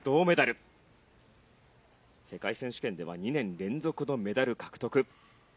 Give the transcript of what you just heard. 世界選手権では２年連続のメダル獲得。